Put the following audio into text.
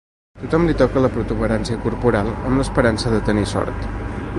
Tothom li toca la protuberància corporal amb l'esperança de tenir sort.